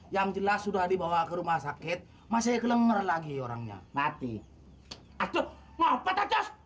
yang jelas sudah dibawa ke rumah sakit masih gelengger lagi orangnya mati atuh ngopet